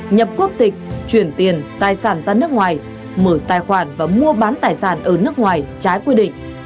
nhập quốc tịch chuyển tiền tài sản ra nước ngoài mở tài khoản và mua bán tài sản ở nước ngoài trái quy định